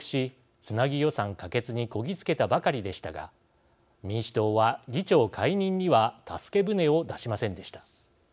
つなぎ予算可決にこぎ着けたばかりでしたが民主党は議長解任には助け船を出しませんでした。